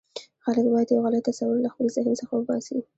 خلک باید یو غلط تصور له خپل ذهن څخه وباسي.